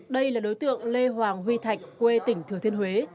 đây là đối tượng lê hoàng huy thạch quê tỉnh thừa thiên huế